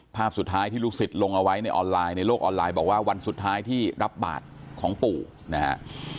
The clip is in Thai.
ภาพสุดท้ายที่ลูกศิษย์ลงเอาไว้ในออนไลน์ในโลกออนไลน์บอกว่าวันสุดท้ายที่รับบาทของปู่นะฮะ